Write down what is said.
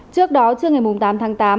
trước đó trưa ngày tám tháng tám